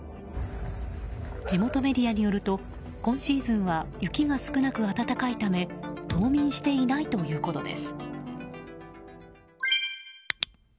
地元メディアによると今シーズンは雪が少なく暖かいため冬眠していないということです。